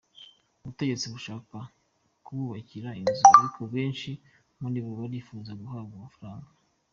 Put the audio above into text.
Ubutegetsi bushaka kububakira inzu ariko benshi muri bo barifuza guhabwa amafaranga.